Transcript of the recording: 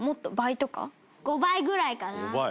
達哉君：５倍ぐらいかな。